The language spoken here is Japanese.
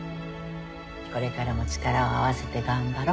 これからも力を合わせて頑張ろ。